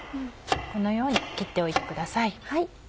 このように切っておいてください。